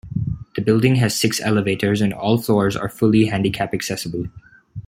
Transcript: The building has six elevators and all floors are fully handicap accessible.